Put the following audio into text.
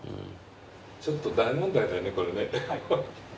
ちょっと大問題だよねこれね。